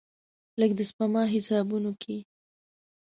لږ، د سپما حسابونو کې